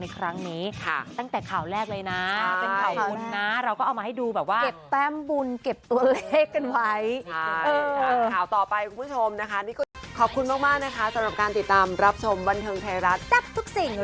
เก็บแป้มบุญเก็บตัวเลขกันไว้